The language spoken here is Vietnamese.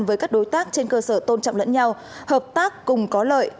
với các đối tác trên cơ sở tôn trọng lẫn nhau hợp tác cùng có lợi